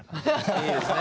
いいですね。